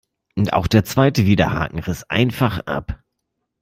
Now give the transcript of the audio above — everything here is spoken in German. Auch der zweite Widerhaken riss einfach ab.